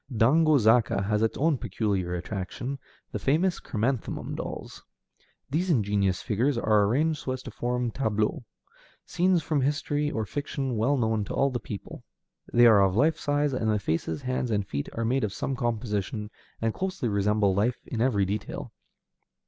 Dango Zaka has its own peculiar attraction, the famous chrysanthemum dolls. These ingenious figures are arranged so as to form tableaux, scenes from history or fiction well known to all the people. They are of life size, and the faces, hands, and feet are made of some composition, and closely resemble life in every detail.